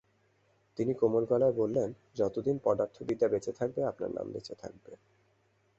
তিনি কোমল গলায় বললেন, যতদিন পদার্থবিদ্যা বেঁচে থাকবে আপনার নাম বেঁচে থাকবে।